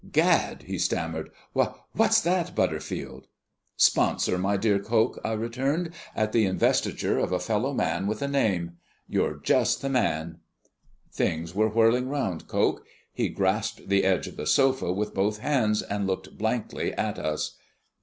"Gad!" he stammered. "Wha what's that, Butterfield?" "Sponsor, my dear Coke," I returned, "at the investiture of a fellow man with a name. You're just the man." Things were whirling round Coke. He grasped the edge of the sofa with both hands, and looked blankly at us.